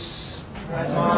お願いします。